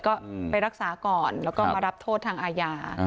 ก็ไปรักษาก่อนแล้วก็มารับโทษทางอาญา